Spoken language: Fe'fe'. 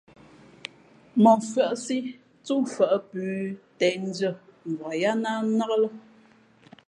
Mά mfʉ́άʼsí túmfα̌ʼ plǔ těʼndʉ́ά mvak yáá ná nnák lά.